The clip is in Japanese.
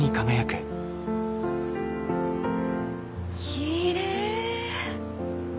きれい。